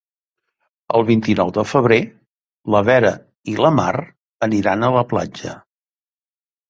El vint-i-nou de febrer na Vera i na Mar iran a la platja.